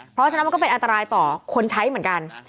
เพราะฉะนั้นมันก็เป็นอันตรายต่อคนใช้เหมือนกัน